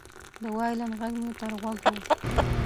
د وایلن غږ مې تر غوږ و